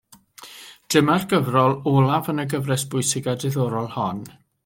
Dyma'r gyfrol olaf yn y gyfres bwysig a diddorol hon.